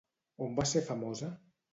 On va ser famosa?